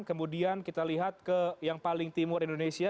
kemudian kita lihat ke yang paling timur indonesia